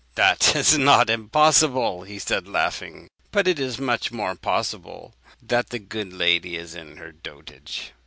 "'That is not impossible,' said he, laughing; 'but it is much more possible that the good lady is in her dotage.'